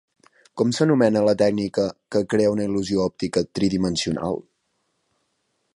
Com s'anomena la tècnica que crea una il·lusió òptica tridimensional?